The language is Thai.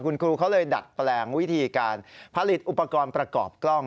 คุณครูเขาเลยดัดแปลงวิธีการผลิตอุปกรณ์ประกอบกล้อง